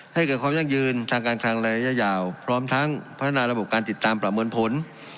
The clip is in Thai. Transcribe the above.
ให้เกิดความยั่งยืนทางการคลังระยะยาวพร้อมทั้งพัฒนาระบบการติดตามประเมินผล